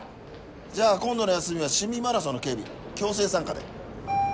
じゃあ今度の休みは市民マラソンの警備強制参加で。